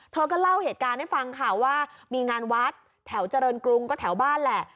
เธอก็เล่าเหตุการณ์ให้ฟังค่ะว่ามีงานวัดแถวเจริญกรุงก็แถวบ้านแหละ